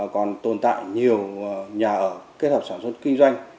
còn tồn tại nhiều nhà ở kết hợp sản xuất kinh doanh